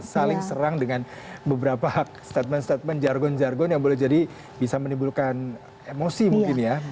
saling serang dengan beberapa statement statement jargon jargon yang boleh jadi bisa menimbulkan emosi mungkin ya